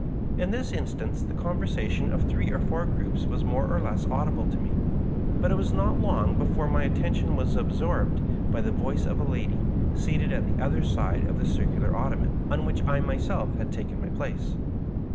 In this instance the conversation of three or four groups was more or less audible to me ; but it was not long before my attention was absorbed by the voice of a lady, seated at the other side of the circxdar ottoman on which I my self had taken my place.